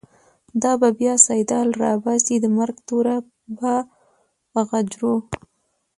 دابه بیا “سیدال” راباسی، دمرګ توره په غجرو